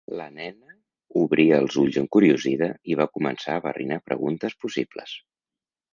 La nena obria els ulls encuriosida, i va començar a barrinar preguntes possibles.